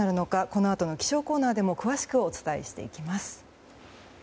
このあとの気象コーナーでも詳しくお伝えします。